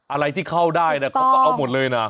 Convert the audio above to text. อะไรที่เข้าได้เขาก็เอาหมดเลยนะ